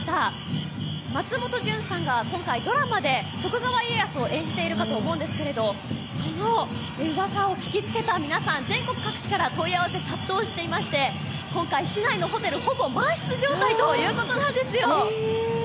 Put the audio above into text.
松本潤さんが今回、ドラマで徳川家康を演じてるかと思いますがそのうわさを聞きつけた皆さん、全国各地から問い合わせ殺到していまして今回、市内のホテルほぼ満室状態ということなんですよ。